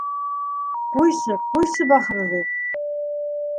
— Ҡуйсы, ҡуйсы, бахырҙы.